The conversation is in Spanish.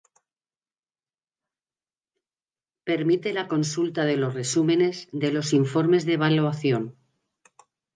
Permite la consulta de los resúmenes de los informes de evaluación.